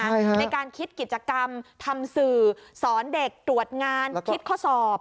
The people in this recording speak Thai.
ในการคิดกิจกรรมทำสื่อสอนเด็กตรวจงานคิดข้อสอบ